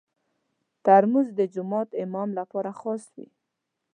ترموز د جومات امام لپاره خاص وي.